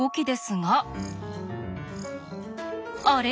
あれ？